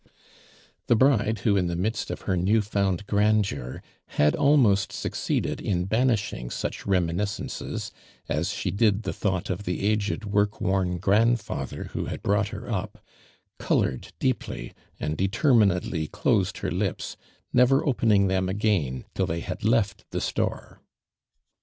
The bride, who in the midst of her new found grandeur had almost succeeded in banishing such reminiscences, as she did the thought of the aged work worn grand father who hod brought her up, colored deeply, and determinedly closed her lips, never opening them again till they had left the store.